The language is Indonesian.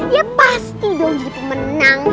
ya pasti dong jadi pemenang